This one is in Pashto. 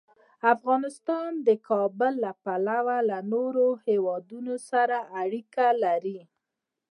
افغانستان د کابل له پلوه له نورو هېوادونو سره اړیکې لري.